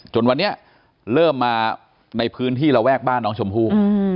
จนวันนี้เริ่มมาในพื้นที่ระแวกบ้านน้องชมพู่